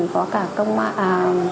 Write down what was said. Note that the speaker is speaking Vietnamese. có cả công an